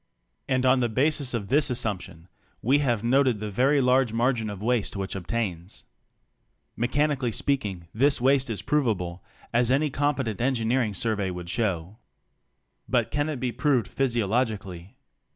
And on the basis of this assumption we have noted the very large margin of waste which obtans Mechanically speaking this waste is proveable as any corn^ patent engineering survey would show ^ r^n^hi ^^V^ ^^^'^^^^ psychologically?